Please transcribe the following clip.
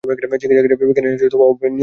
চিকিৎসাক্ষেত্রে বিজ্ঞান এনেছে অভাবনীয় সাফল্য।